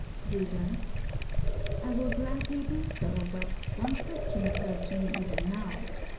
READER: I will gladly do so, but one question occurs to me even now.